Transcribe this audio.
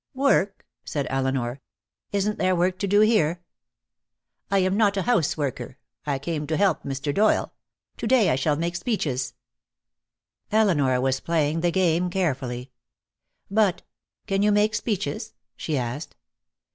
"Work?" said Elinor. "Isn't there work to do here?" "I am not a house worker. I came to help Mr. Doyle. To day I shall make speeches." Elinor was playing the game carefully. "But can you make speeches?" she asked.